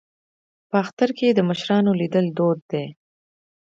په اختر کې د مشرانو لیدل دود دی.